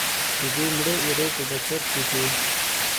د دې مړو ایرو په بڅرکیو کې.